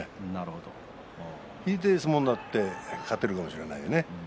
引いて相撲になって勝てるかもしれないね。